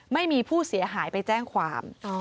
ไม่มีผู้เสียหายไปแจ้งความ